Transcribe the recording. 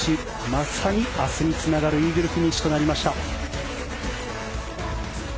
まさに明日につながるイーグルフィニッシュとなりました。